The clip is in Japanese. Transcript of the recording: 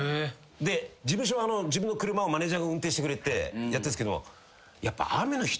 で事務所は自分の車をマネジャーが運転してくれてやってんすけどもやっぱ。